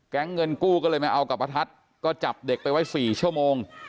แก๊งเงินกู้ก็เลยมาเอากับประทัศน์ก็จับเด็กไปไว้สี่ชั่วโมง